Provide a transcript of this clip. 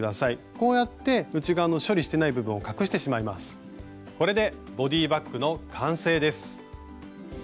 これでボディーバッグの完成です。